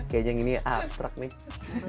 kayaknya yang ini abstrak nih